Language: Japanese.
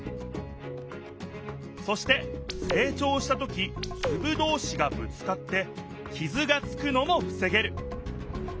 そしてせい長した時つぶどうしがぶつかってきずがつくのもふせげる。